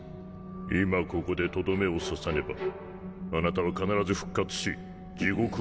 今ここでとどめを刺さねばあなたは必ず復活し地獄をもたらすだろう。